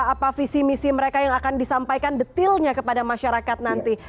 apa visi misi mereka yang akan disampaikan detailnya kepada masyarakat nanti